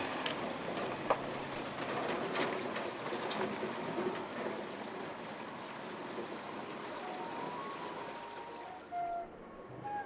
acara aku sangat berwhich hanyalah menggantung cuaca